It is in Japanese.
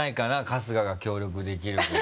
春日が協力できること。